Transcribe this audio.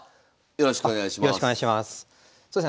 よろしくお願いします。